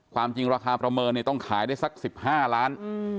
ความจริงราคาประเมินต้องขายได้สัก๑๕ล้าน